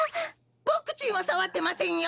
ボクちんはさわってませんよ。